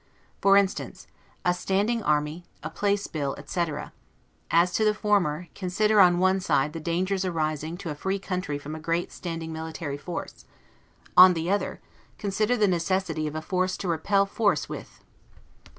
For instance, a standing army, a place bill, etc.; as to the former, consider, on one side, the dangers arising to a free country from a great standing military force; on the other side, consider the necessity of a force to repel force with.